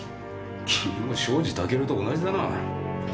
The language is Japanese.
君も庄司タケルと同じだな。は？